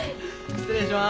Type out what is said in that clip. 失礼します。